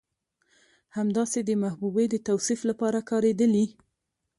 همداسې د محبوبې د توصيف لپاره کارېدلي